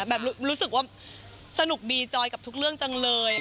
รู้สึกว่าสนุกดีจอยกับทุกเรื่องจังเลย